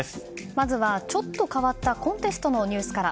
まずはちょっと変わったコンテストのニュースから。